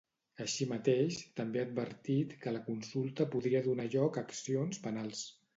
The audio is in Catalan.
Així mateix, també ha advertit que la consulta podria donar lloc a accions penals.